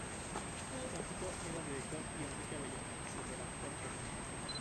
K-Hito era su director y Enrique Avellano, su redactor-jefe.